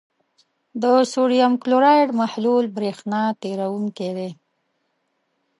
د سوډیم کلورایډ محلول برېښنا تیروونکی دی.